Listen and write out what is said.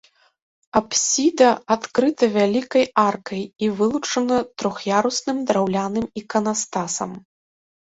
Апсіда адкрыта вялікай аркай і вылучана трох'ярусным драўляным іканастасам.